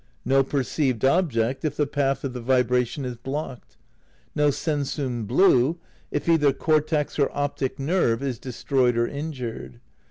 No perceived object if the path of the vibra tion is blocked. No sensum blue if either cortex or optic nerve is destroyed or injured.